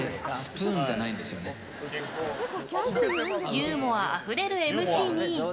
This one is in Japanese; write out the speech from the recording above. ユーモアあふれるＭＣに。